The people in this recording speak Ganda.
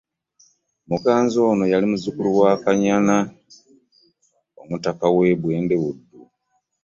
Muganzi ono yali muzzukulu wa Kannyana, omutaka w’e Bwende Buddu.